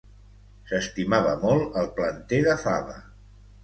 S'estimava molt el planter de fava.